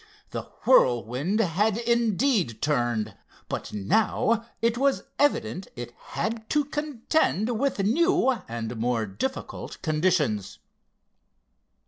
The Whirlwind had indeed turned, but now it was evident it had to contend with new and more difficult conditions.